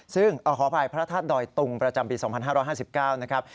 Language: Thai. ซึ่งขออภัยพระธาตุดอยตุงประจำปี๒๕๕๙นะครับ